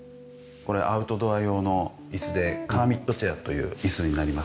これアウトドア用の椅子でカーミットチェアという椅子になります。